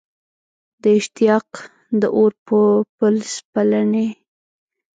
د اشتیاق د اور په پل سپېلني